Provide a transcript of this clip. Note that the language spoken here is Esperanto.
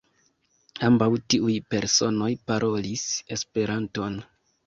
Ambaŭ tiuj personoj parolis Esperanton.